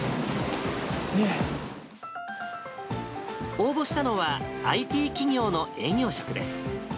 応募したのは、ＩＴ企業の営業職です。